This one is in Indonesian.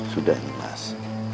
sudah ini mas